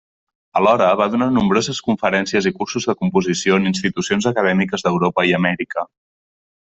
Alhora, va donar nombroses conferències i cursos de composició en institucions acadèmiques d'Europa i Amèrica.